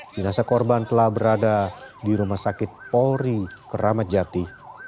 jenazah korban telah berada di rumah sakit polri keramat jati